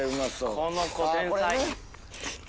この子天才！